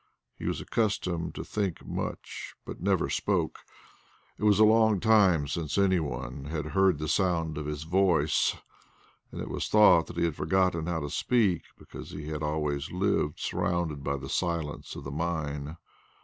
He was accustomed to think much but never spoke. It was a long time since any one had heard the sound of his voice, and it was thought that he had forgotten how to speak because he had always lived surrounded by the silence of the mine.